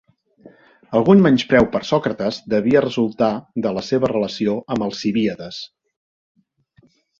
Algun menyspreu per a Sòcrates devia resultar de la seva relació amb Alcibíades.